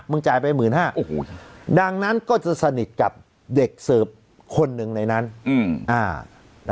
มึงจ่ายไปหมื่นห้าดังนั้นก็จะสนิทกับเด็กเสิร์ฟคนหนึ่งในนั้น